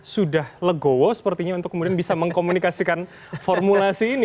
sudah legowo sepertinya untuk kemudian bisa mengkomunikasikan formulasi ini